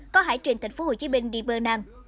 có hải trình tp hcm đi bờ nang